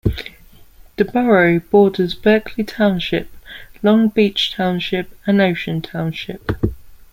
The borough borders Berkeley Township, Long Beach Township and Ocean Township.